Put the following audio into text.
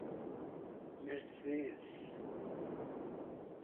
Mercês